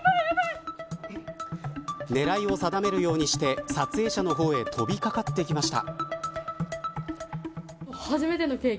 狙いを定めるようにして撮影者の方へ飛び掛かってきました。